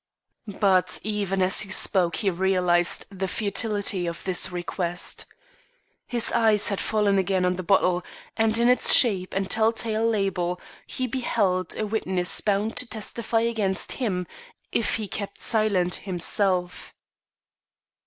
But even as he spoke he realised the futility of his request. His eye had fallen again on the bottle, and, in its shape and tell tale label, he beheld a witness bound to testify against him if he kept silent himself.